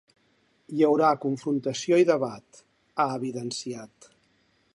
Hi haurà confrontació i debat, ha evidenciat.